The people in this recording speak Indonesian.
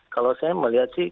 kalau saya melihat sih